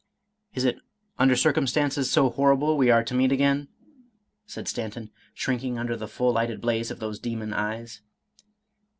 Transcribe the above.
—" Is it under circumstances so horrible we are to meet again?" said Stanton, shrinking under the full lighted blaze of those demon eyes.